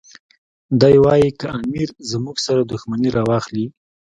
دی وایي که امیر زموږ سره دښمني راواخلي.